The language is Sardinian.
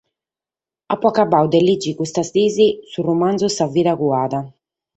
Apo acabadu de lèghere custas dies su romanzu “Sa bida cuada”.